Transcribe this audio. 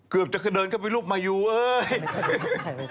เกือบจะเดินเข้าไปรูปมายูเอ้ย